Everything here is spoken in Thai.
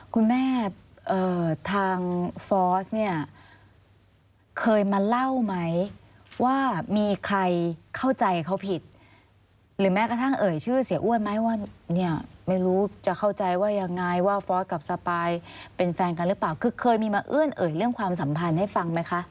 คุณแม่ทางฟอร์สเนี่ยเคยมาเล่าไหมว่ามีใครเข้าใจเขาผิดหรือแม้กระทั่งเอ่ยชื่อเสียอ้วนไหมว่าเนี่ยไม่รู้จะเข้าใจว่ายังไงว่าฟอร์สกับสปายเป็นแฟนกันหรือเปล่าคือเคยมีมาเอื้อนเอ่ยเรื่องความสัมพันธ์ให้ฟังไหมคะ